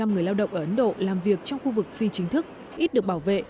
ba mươi người lao động ở ấn độ làm việc trong khu vực phi chính thức ít được bảo vệ